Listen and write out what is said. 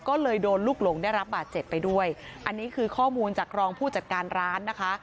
ก็เลยโดนลูกหลงได้รับบาดเจ็บไปด้วยอันนี้คือข้อมูลจากรองผู้จัดการร้านนะคะ